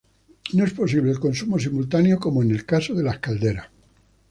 No es posible el consumo simultáneo como en el caso de las calderas.